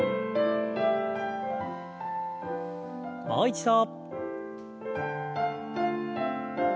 もう一度。